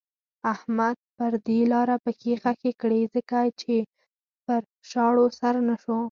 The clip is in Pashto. احمد پر دې لاره پښې خښې کړې ځکه پر شاړو سر نه شو.